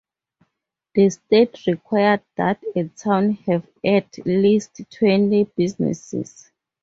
The state required that a town have at least twenty businesses.